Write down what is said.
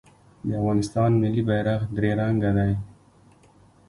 د افغانستان ملي بیرغ درې رنګه دی